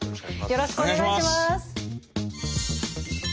よろしくお願いします。